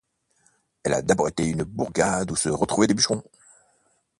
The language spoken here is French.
Elle a d'abord été une bourgade où se retrouvaient les bûcherons.